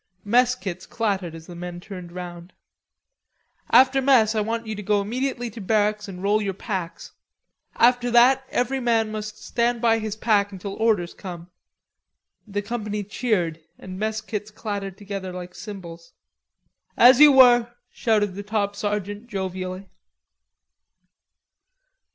Mess kits clattered as the men turned round. "After mess I want you to go immediately to barracks and roll your packs. After that every man must stand by his pack until orders come." The company cheered and mess kits clattered together like cymbals. "As you were," shouted the top sergeant jovially.